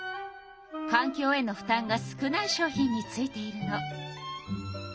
かんきょうへの負たんが少ない商品についているの。